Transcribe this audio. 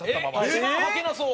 一番履けなそう。